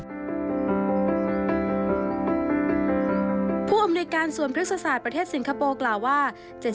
ผู้อำนวยการสวนพฤกษศาสตร์ประเทศสิงคโปร์กล่าวว่า